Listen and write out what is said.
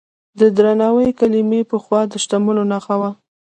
د درناوي کلمې پخوا د شتمنو نښه وه.